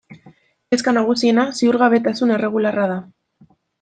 Kezka nagusiena ziurgabetasun erregularra da.